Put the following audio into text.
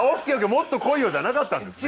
もっと来いよじゃなかったんですね。